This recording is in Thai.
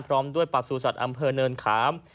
พร้อมด้วยประสูจัตว์อำเภอเนินขาม